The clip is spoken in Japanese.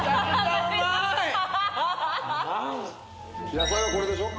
野菜はこれでしょ？